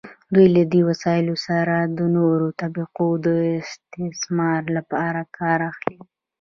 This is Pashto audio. دوی له دې وسایلو څخه د نورو طبقو د استثمار لپاره کار اخلي.